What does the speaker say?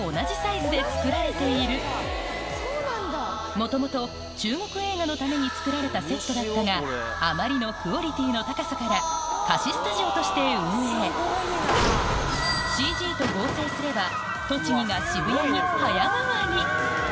もともと中国映画のためにつくられたセットだったがあまりのクオリティーの高さから貸しスタジオとして運営ＣＧと合成すれば栃木が渋谷に早変わり